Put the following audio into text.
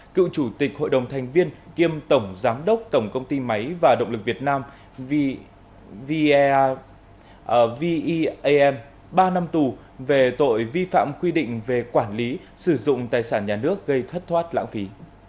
cựu chủ tịch hội đồng thành viên kiêm tổng giám đốc tổng công ty máy và động lực việt nam veam ba năm tù về tội vi phạm quy định về quản lý sử dụng tài sản nhà nước gây thất thoát lãng phí